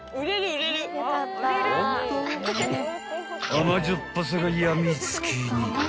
［甘じょっぱさが病みつきに］